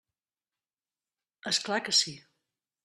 És clar que sí.